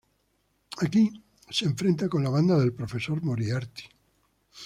Aquí se enfrenta con la banda del profesor Moriarty.